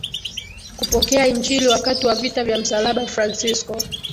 kupokea Injili Wakati wa vita vya msalaba Fransisko